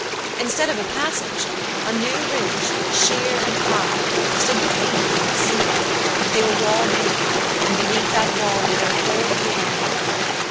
Instead of a passage, a new ridge, sheer and high, stood between them and the sea; they were walled in, and beneath that wall lay their whole little army.